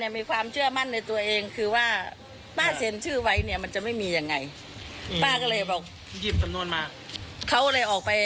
เอ่อเอาเอกสารนั้นไปถ่ายเอกสารมาคือป้าหมายความป้าหยิบออกมาเลยเหรอฮะ